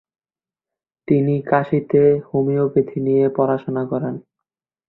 তিনি কাশীতে হোমিওপ্যাথি নিয়ে পড়াশোনা করেন।